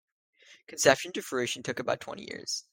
Conception to fruition took about twenty years.